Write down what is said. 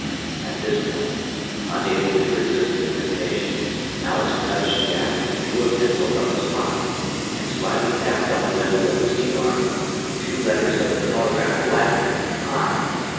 At this point, unable to resist the temptation, Alex nudged Jack, drew a pencil from his pocket, and slyly tapped on the metal of the seat arm the two letters of the telegraph laugh, "Hi!"